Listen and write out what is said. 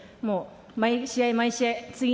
毎試合毎試合